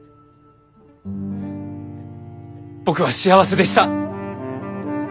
僕は幸せでした！